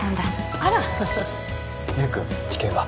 あら優君治験は？